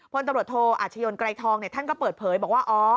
พลตำรวจโทอาชญนไกรทองท่านก็เปิดเผยบอกว่า